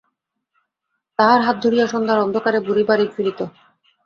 তাহার হাত ধরিয়া সন্ধ্যার অন্ধকারে বুড়ি বাড়ী ফিরিত।